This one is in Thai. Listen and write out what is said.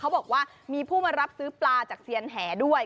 บอกว่ามีผู้มารับซื้อปลาจากเซียนแห่ด้วย